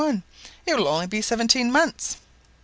It will only be seventeen months